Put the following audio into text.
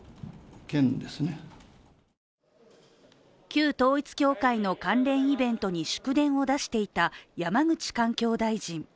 旧統一教会の関連イベントに祝電を出していた山口環境大臣。